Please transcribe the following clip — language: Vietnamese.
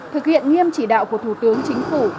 thực hiện nghiêm chỉ đạo của thủ tướng chính phủ